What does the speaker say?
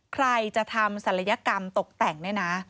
ใครจะทำศัลยกรรมตกแต่งเนี่ยนะ